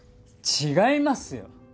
違いますよ。